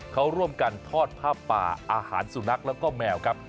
เขาร่วมกันทอดผ้าป่าอาหารสุนัขแล้วก็แมวครับ